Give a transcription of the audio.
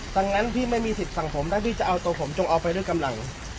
ดังนั้นพี่ไม่มีสิทธิ์สั่งผมทั้งที่จะเอาตัวผมจงเอาไปด้วยกำลัง